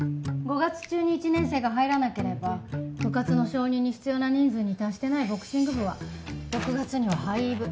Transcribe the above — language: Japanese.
５月中に１年生が入らなければ部活の承認に必要な人数に達してないボクシング部は６月には廃部。